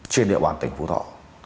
trên địa bàn tỉnh phú thọ